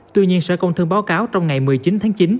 tuy nhiên sở công thương báo cáo trong ngày một mươi chín tháng chín